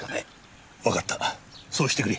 わかったそうしてくれ。